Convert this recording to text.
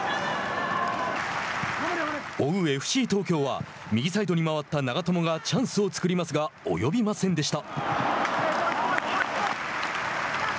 追うＦＣ東京は右サイドに回った長友がチャンスを作りますが及びませんでした。